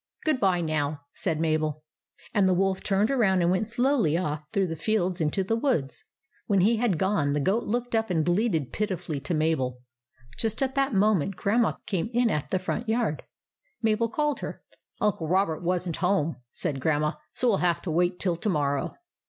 " Good bye, now," said Mabel ; and the Wolf turned around and went slowly off through the fields into the woods. When he had gone, the goat looked up and bleated pitifully to Mabel. Just at that moment 96 THE ADVENTURES OF MABEL Grandma came in at the front yard. Mabel called her. " Uncle Robert was n't home," said Grandma ;" so we '11 have to wait till to morrow."